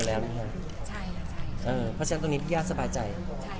เพราะฉะนั้นตรงนี้ที่ญาติสบายใจ